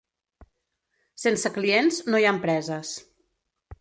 Sense clients, no hi ha empreses.